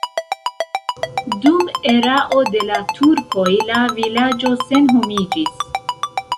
Dum erao de la turkoj la vilaĝo senhomiĝis.